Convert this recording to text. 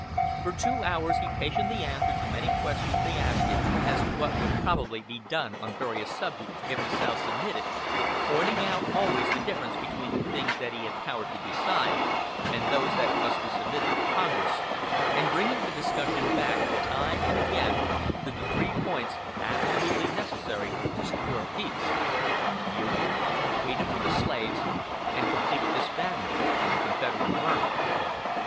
For four hours he patiently answered the many questions they asked him, as to what would probably be done on various subjects if the South submitted; pointing out always the difference between the things that he had the power to decide, and those that must be submitted to Congress; and bringing the discussion back, time and again, to the three points absolutely necessary to secure peace Union, freedom for the slaves, and complete disbandment of the Confederate armies.